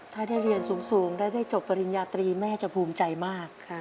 ถ้าได้เรียนสูงและได้จบปริญญาตรีแม่จะภูมิใจมาก